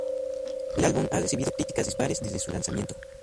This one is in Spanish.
El álbum ha recibido críticas dispares desde su lanzamiento.